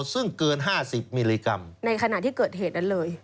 ซึ่งเกิน๕๐มิลลิกรัมในขณะที่เกิดเหตุนั้นเลย